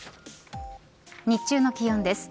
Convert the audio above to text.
日中の気温です。